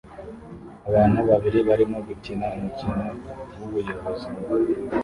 Abantu babiri barimo gukina umukino wubuyobozi